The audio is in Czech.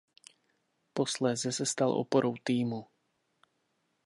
Posléze se stal oporou týmu.